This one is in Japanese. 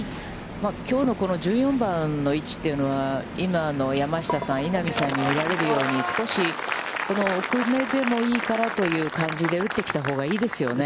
きょうの１４番の位置というのは、今の山下さん、稲見さんに見られるように、少し奥めでもいいからという感じで打ってきたほうがいいですよね？